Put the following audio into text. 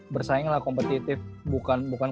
bersaing lah kompetitif bukan